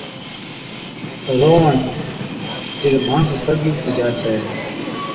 رووَڻ، جِڏ ماڻس سرگِي ھُوَي ھُتِي جا ڇَي